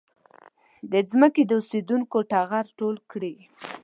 د ځمکې د اوسېدونکو ټغر ټول کړي.